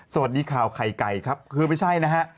สวัสดีข่าวไข่ไก่ครับคือไม่ใช่นะฮะ